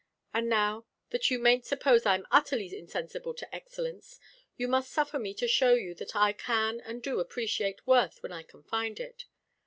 And now, that you mayn't suppose I am utterly insensible to excellence, you must suffer me to show you that I can and do appreciate worth when I can find it.